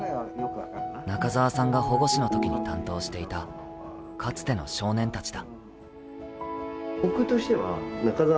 中澤さんが保護司のときに担当していたかつての少年たちだ。